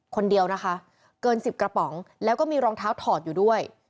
คนเดียวนะคะเกิน๑๐กระป๋องแล้วก็มีรองเท้าถอดอยู่ด้วย